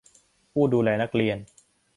ผู้ดูแลนักเรียน